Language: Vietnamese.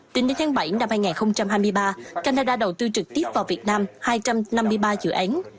tính đến tháng bảy năm hai nghìn hai mươi ba canada đầu tư trực tiếp vào việt nam hai trăm năm mươi ba dự án